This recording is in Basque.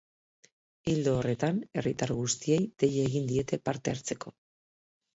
Ildo horretan, herritar guztiei dei egin diete parte hartzeko.